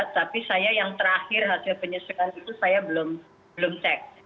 tapi saya yang terakhir hasil penyesuaikan itu saya belum cek